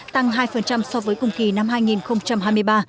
tăng hai so với cùng kỳ năm hai nghìn hai mươi ba